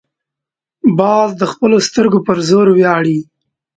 باز د خپلو سترګو پر زور ویاړي